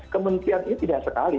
kementerian ini tidak sekali